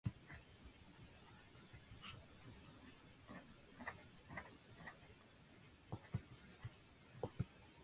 The father of her child is German comedian and author Thomas Spitzer.